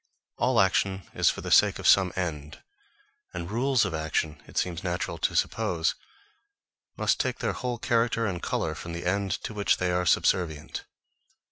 All action is for the sake of some end, and rules of action, it seems natural to suppose, must take their whole character and colour from the end to which they are subservient.